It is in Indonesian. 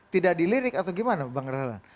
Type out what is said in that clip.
tidak dilirik atau gimana bang rala